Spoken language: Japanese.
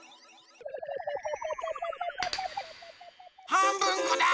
はんぶんこだ！